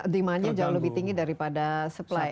kemahannya jauh lebih tinggi daripada supply nya